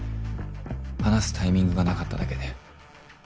話すタイミングがなかっただけで。